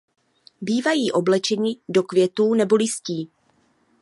Bývají oblečeni do květů nebo listí.